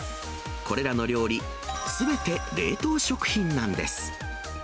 これらの料理、すべて冷凍食品なんです。